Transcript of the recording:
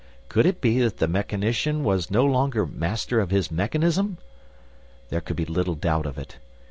Could it be that the mechanician was no longer master of his mechanism? There could be little doubt of it.